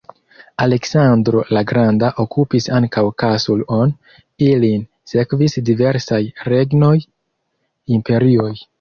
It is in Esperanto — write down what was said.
Aleksandro la Granda okupis ankaŭ Kasur-on, ilin sekvis diversaj regnoj, imperioj.